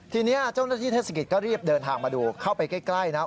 ทีนี้เจ้าหน้าที่เทศกิจก็รีบเดินทางมาดูเข้าไปใกล้นะครับ